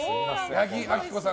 八木亜希子さん